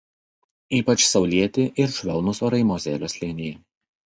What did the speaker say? Ypač saulėti ir švelnūs orai Mozelio slėnyje.